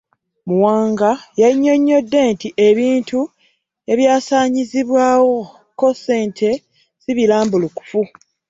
Muwanga yannyonnyodde nti ebintu ebyasaasaanyizibwako ssente si birambulukufu